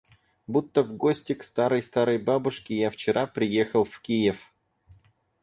Будто в гости к старой, старой бабушке я вчера приехал в Киев.